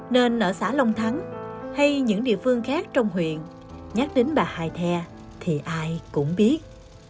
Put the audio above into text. nên ở xã long thắng hay những địa phương khác trong huyện nhắc đến bà hai the thì ai cũng biết